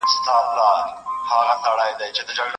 نن د خُم په ځان راغلی حاجت نه لري مینا ته